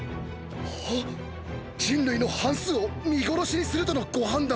人類の半数を見殺しにするとのご判断でしょうか